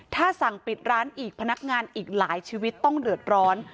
ถ้าสั่งปิดร้านอีกพนักงานอีกหลายชีวิตต้องเดือดร้อน